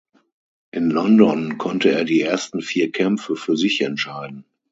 In London konnte er die ersten vier Kämpfe für sich entscheiden.